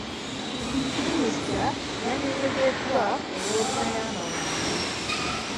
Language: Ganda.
Minisita yanenyezzeddwa olw'obutayamba bantu.